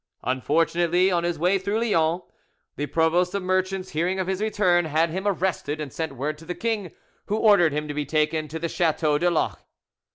Unfortunately, on his way through Lyons, the provost of merchants, hearing of his return, had him arrested, and sent word to the king, who ordered him to be taken to the chateau de Loches.